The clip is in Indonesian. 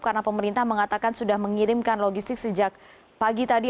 karena pemerintah mengatakan sudah mengirimkan logistik sejak pagi tadi